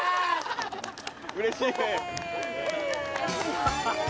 うれしいね。